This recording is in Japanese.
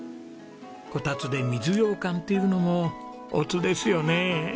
こたつで水ようかんっていうのもおつですよね。